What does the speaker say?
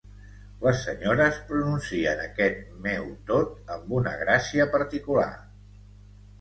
Les senyores pronuncien aquest "meu tot" amb una gràcia particular.